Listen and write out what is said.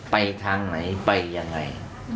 ไปทางไหนไปยังไง